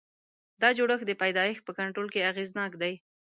دا جوړښت د پیدایښت په کنټرول کې اغېزناک دی.